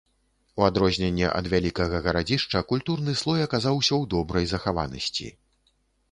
У адрозненне ад вялікага гарадзішча, культурны слой аказаўся ў добрай захаванасці.